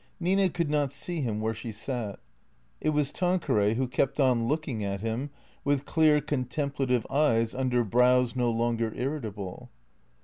Nina could not see him where she sat. It was Tanqueray who kept on looking at him with clear, contemplative eyes under brows no longer irritable.